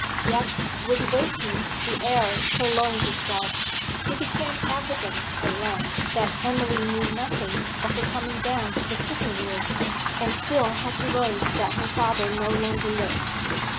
Yet with waking the error prolonged itself; it became evident at length that Emily knew nothing of her coming down to the sitting room, and still had to learn that her father no longer lived.